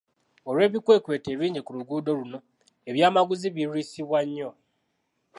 Olw'ebikwekweto ebingi ku luguudo luno ebyamaguzi birwisibwa nnyo.